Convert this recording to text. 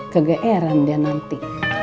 gagal eran dia nanti